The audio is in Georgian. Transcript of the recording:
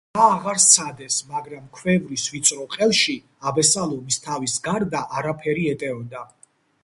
რა აღარ სცადეს, მაგრამ ქვევრის ვიწრო ყელში აბესალომის თავის გარდა არაფერი ეტეოდა.